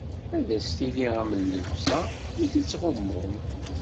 Ad as-tili am llebsa i t-ittɣummun.